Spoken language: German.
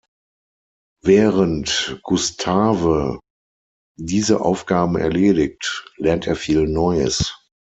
Während Gustave diese Aufgaben erledigt, lernt er viel Neues.